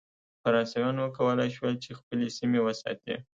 فرانسویانو وکولای شول چې خپلې سیمې وساتي.